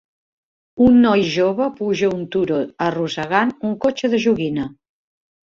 Un noi jove puja un turó arrossegant un cotxe de joguina.